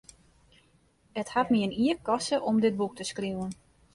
It hat my in jier koste om dit boek te skriuwen.